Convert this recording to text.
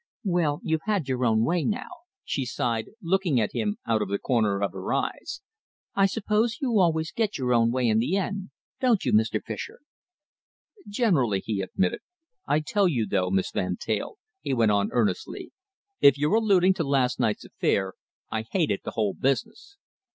"Well, you've had your own way now," she sighed, looking at him out of the corner of her eyes. "I suppose you always get your own way in the end, don't you, Mr. Fischer?" "Generally," he admitted. "I tell you, though, Miss Van Teyl," he went on earnestly, "if you're alluding to last night's affair, I hated the whole business.